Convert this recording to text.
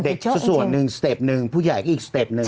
เด็กสักส่วนหนึ่งเศษอีกหนึ่งผู้ใหญ่อีกเศษหนึ่ง